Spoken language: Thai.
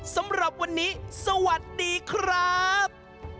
สำหรับวันนี้สวัสดีครับ